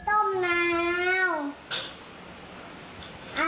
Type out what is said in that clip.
อันนี้ต้มน้ำ